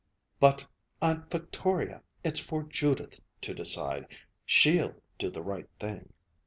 "But Aunt Victoria, it's for Judith to decide. She'll do the right thing."